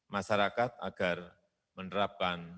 masyarakat agar menerapkan